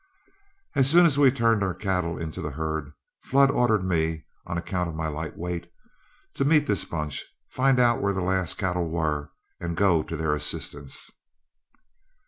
As soon as we turned our cattle into the herd, Flood ordered me, on account of my light weight, to meet this bunch, find out where the last cattle were, and go to their assistance.